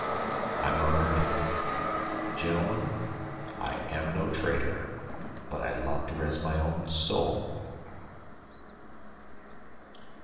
I murmured: "Gentlemen, I am no traitor; but I loved her as my own soul."